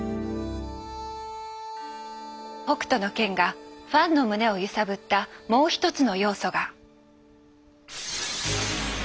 「北斗の拳」がファンの胸を揺さぶったもう一つの要素が。